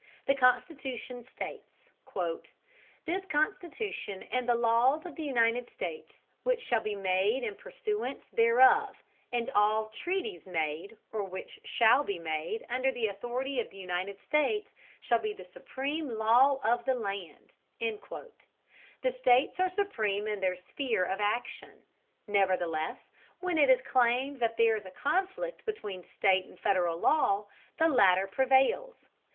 The Constitution states: "This Constitution and the laws of the United States which shall be made in pursuance thereof, and all treaties made or which shall be made under the authority of the United States shall be the supreme law of the land." The states are supreme in their sphere of action; nevertheless, when it is claimed that there is a conflict between state and Federal law, the latter prevails.